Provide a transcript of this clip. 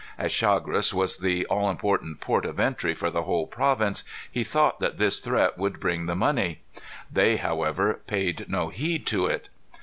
As Chagres was the all important port of entry for the whole province, he thought that this threat would bring the money. They, however, paid no heed to it.